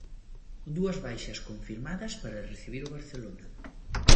Dúas baixas confirmadas para recibir o Barcelona.